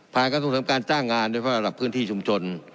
ผ่านกระทรงสร้างสร้างการจ้างงานเป็นประกอบประกอบพื้นที่ชุมชน